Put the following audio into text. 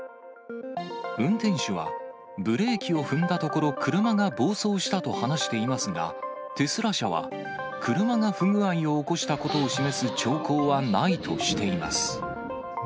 運転手は、ブレーキを踏んだところ、車が暴走したと話していますが、テスラ社は、車が不具合を起こしたことを示す兆候はないとしています。